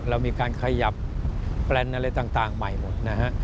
เรามีการขยับแปลนอะไรต่างใหม่หมดนะฮะ